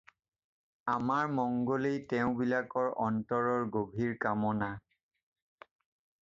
আমাৰ মঙ্গলেই তেওঁবিলাকৰ অন্তৰৰ গভীৰ কামনা।